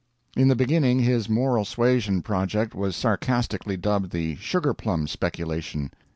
In the beginning, his moral suasion project was sarcastically dubbed the sugar plum speculation.